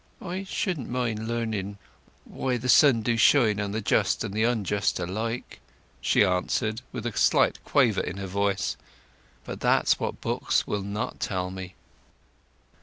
"I shouldn't mind learning why—why the sun do shine on the just and the unjust alike," she answered, with a slight quaver in her voice. "But that's what books will not tell me."